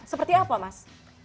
seperti apa mas